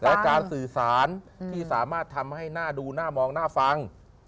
และการสื่อสารที่สามารถทำให้หน้าดูหน้ามองหน้าฟัง